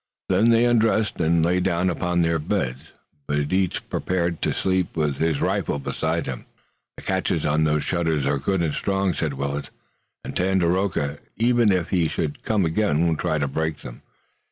Then they undressed and lay down upon their beds, but each prepared to sleep with his rifle beside him. "The catches on those shutters are good and strong," said Willet, "and Tandakora, even if he should come again, won't try to break them.